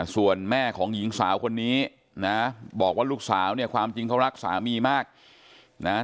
ส่วนแม่ของหญิงสาวคนนี้นะบอกว่าลูกสาวเนี่ยความจริงเขารักสามีมากนะฮะ